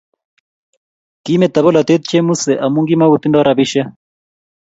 Kimeto polatet Chemuse amu kimokotindo rabisiek